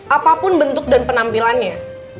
apapun bentuk dan penampilannya